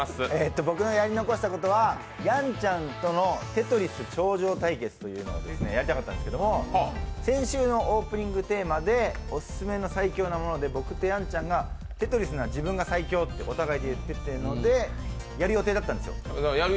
僕のやり残したことはやんちゃんとの「テトリス」頂上対決というのをやりたかったんですけど先週のオープニングテーマでオススメの最強のものはということで僕とやんちゃんが、「テトリス」なら自分が最高ってお互いで言ってたので、やる予定だったんですよ。